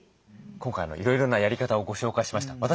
今回いろいろなやり方をご紹介しました。